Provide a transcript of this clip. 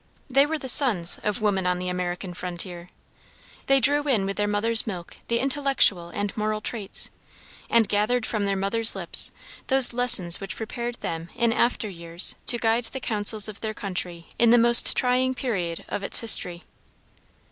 They were the sons of "Women on the American Frontier." They drew in with their mother's milk the intellectual and moral traits, and gathered from their mother's lips those lessons which prepared them in after years to guide the councils of their country in the most trying period of its history.